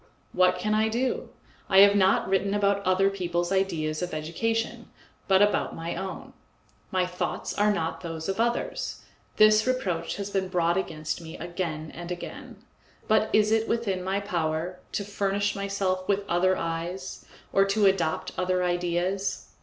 What can I do? I have not written about other people's ideas of education, but about my own. My thoughts are not those of others; this reproach has been brought against me again and again. But is it within my power to furnish myself with other eyes, or to adopt other ideas?